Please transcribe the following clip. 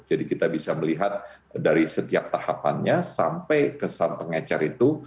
jadi kita bisa melihat dari setiap tahapannya sampai kesan pengecar itu